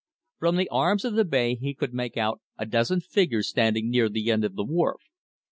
From the arms of the bay he could make out a dozen figures standing near the end of the wharf.